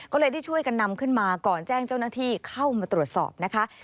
ก็เลยได้ช่วยกันนำขึ้นมาก่อนแจ้งเจ้าหน้าที่เข้ามาตรวจสอบนะคะ